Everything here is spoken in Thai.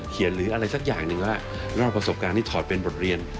หรืออะไรสักอย่างหนึ่งว่าเล่าประสบการณ์ที่ถอดเป็นบทเรียน